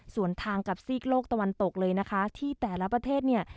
ส่วนทางกับซีกโลกตะวันตกเลยนะคะที่แต่ละประเทศเนี่ย